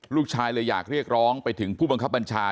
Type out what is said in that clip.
ลูกชายเลยอยากเรียกร้องไปถึงผู้บังคับบัญชา